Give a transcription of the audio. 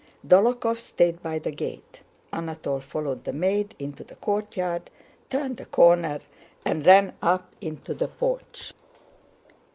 Dólokhov stayed by the gate. Anatole followed the maid into the courtyard, turned the corner, and ran up into the porch.